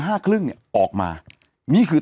เนี่ยออกมานี่คือ